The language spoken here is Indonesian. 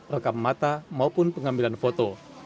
rekam mata maupun pengambilan foto